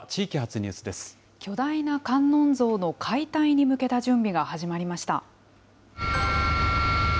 巨大な観音像の解体に向けた準備が始まりました。